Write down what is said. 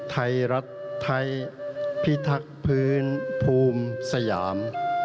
ไทยรัฐไทยพิทักษ์พื้นภูมิสยาม